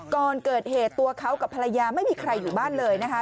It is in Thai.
ก่อนเกิดเหตุตัวเขากับภรรยาไม่มีใครอยู่บ้านเลยนะคะ